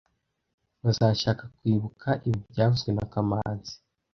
Bazashaka kwibuka ibi byavuzwe na kamanzi